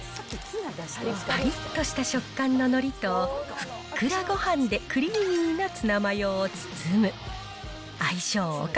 ぱりっとした食感ののりと、ふっくらごはんで、クリーミーなツナマヨを包む。